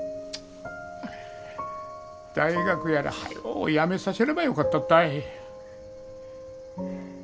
大学やら早うやめさせればよかったったい。